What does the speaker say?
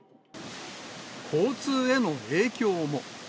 交通への影響も。